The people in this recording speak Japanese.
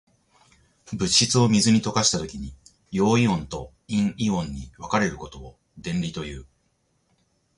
物質を水に溶かしたときに、陽イオンと陰イオンに分かれることを電離という。